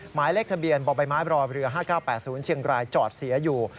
หมายเลขทะเบียนบ่อใบไม้บรอเรือ๕๙๘๐เชียงรายจอดเสียอยู่